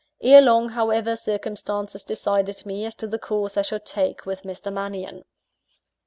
Ere long, however, circumstances decided me as to the course I should take with Mr. Mannion.